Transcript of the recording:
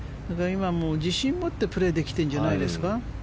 自信を持ってプレーできているんじゃないですか。